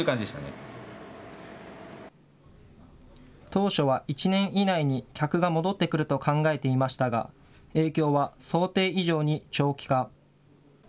当初は１年以内に客が戻ってくると考えていましたが、影響は想定以上に長期化。